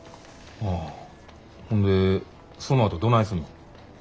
ああほんでそのあとどないすんの？